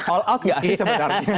all out gak sih sebenarnya